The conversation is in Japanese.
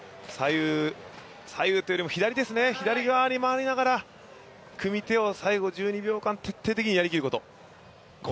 左右というよりも左側に回りながら組み手を最後１２秒間、徹底的にやりきること、これに尽きますよ。